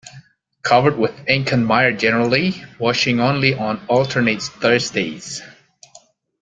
Covered with ink and mire generally, washing only on alternate Thursdays.